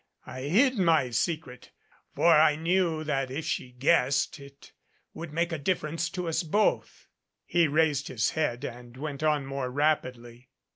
I hid my secret, for I knew that if she guessed it would make a difference to us both." He raised his head and went on more rapidly.